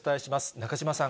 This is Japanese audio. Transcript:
中島さん。